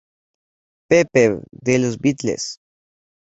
Pepper" de Los Beatles.